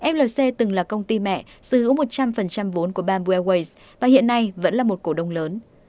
flc từng là công ty mẹ sở hữu một trăm linh vốn của bamboo airways và hiện nay vẫn là một cổ đông lớn